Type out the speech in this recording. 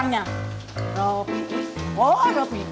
kalau dulu memang harus bayar usted ban